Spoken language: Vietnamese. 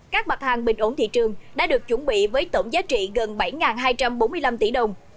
các mặt hàng bình ổn thị trường đã được chuẩn bị với tổng giá trị gần bảy hai trăm bốn mươi năm tỷ đồng